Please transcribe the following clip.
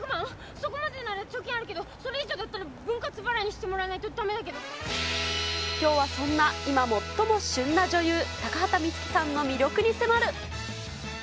そこまでなら貯金あるけど、それ以上だったら分割払いにしてもらわないと、きょうはそんな、今、最も旬な女優、高畑充希さんの魅力に迫る。